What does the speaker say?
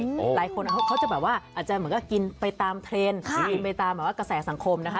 หลายคนเขาจะแบบว่าอาจจะเหมือนกับกินไปตามเทรนด์หรือกินไปตามแบบว่ากระแสสังคมนะคะ